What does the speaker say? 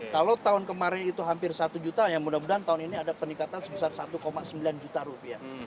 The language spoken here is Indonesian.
kalau tahun kemarin itu hampir satu juta ya mudah mudahan tahun ini ada peningkatan sebesar satu sembilan juta rupiah